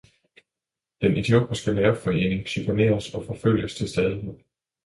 Den etiopiske lærerforening chikaneres og forfølges til stadighed.